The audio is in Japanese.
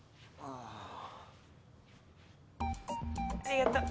ありがとう。